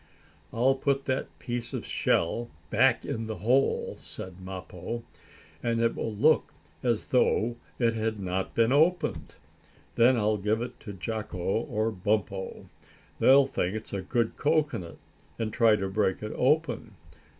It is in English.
"I'll put that piece of shell back in the hole," said Mappo, "and it will look as though it had not been opened. Then I'll give it to Jacko or Bumpo. They'll think it's a good cocoanut, and try to break it open.